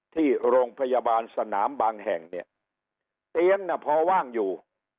ที่โรงพยาบาลสนามบางแห่งเนี่ยเตียงน่ะพอว่างอยู่